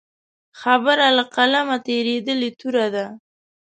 خبره له قلمه تېرېدلې توره ده.